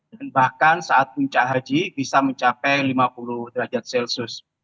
dan bahkan saat puncak haji bisa mencapai lima puluh derajat celcius